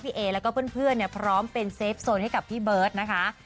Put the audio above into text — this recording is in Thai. เอแล้วก็เพื่อนพร้อมเป็นเซฟโซนให้กับพี่เบิร์ตนะคะ